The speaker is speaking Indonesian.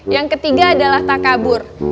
yang ketiga adalah takabur